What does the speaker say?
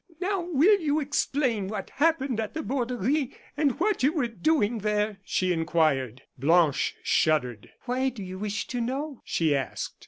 "Now will you explain what happened at the Borderie; and what you were doing there?" she inquired. Blanche shuddered. "Why do you wish to know?" she asked.